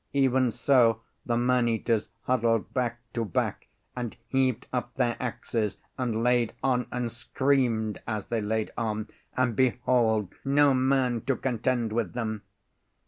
Even so the man eaters huddled back to back, and heaved up their axes, and laid on, and screamed as they laid on, and behold! no man to contend with them!